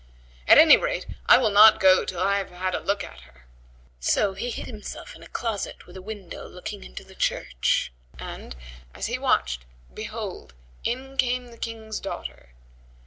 At any rate I will not go till I have had a look at her." So he hid himself in a closet with a window looking into the church and, as he watched, behold, in came the King's daughter.